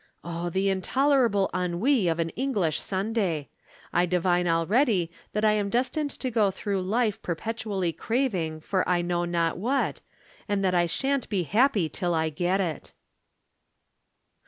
O, the intolerable ennui of an English Sunday! I divine already that I am destined to go through life perpetually craving for I know not what, and that I shan't be happy till I get it."